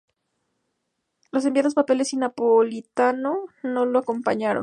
Los enviados papales y napolitano no los acompañaron.